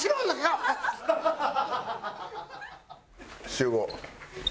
集合。